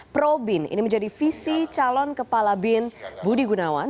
pro bin ini menjadi visi calon kepala bin budi gunawan